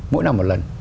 mỗi năm một lần